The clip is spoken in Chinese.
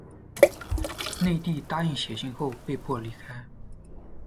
内蒂答应写信后被迫离开。